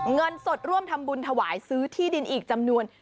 เงินสดร่วมทำบุญถวายซื้อที่ดินอีกจำนวน